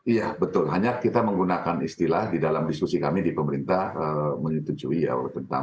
iya betul hanya kita menggunakan istilah di dalam diskusi kami di pemerintah menyetujui ya tentang